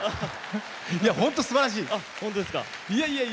本当、すばらしい。